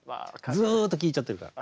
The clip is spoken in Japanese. ずっと聴いちゃってるから。